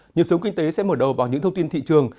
nhiệm sống kinh tế sẽ mở đầu bằng những thông tin thị trường